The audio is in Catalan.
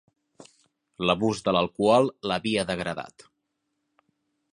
L'abús de l'alcohol l'havia degradat.